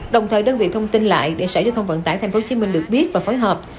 đồng thời đơn vị thông tin lại để sở giao thông vận tải tp hcm được biết và phối hợp